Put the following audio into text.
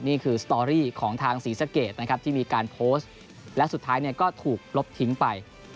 สตอรี่ของทางศรีสะเกดนะครับที่มีการโพสต์และสุดท้ายเนี่ยก็ถูกลบทิ้งไป